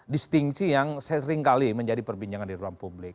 distingsi yang seringkali menjadi perbincangan di ruang publik